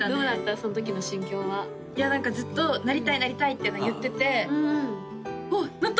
そのときの心境はいや何かずっとなりたいなりたいっていうのは言ってておっなった！